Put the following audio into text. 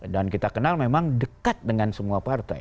dan kita kenal memang dekat dengan semua partai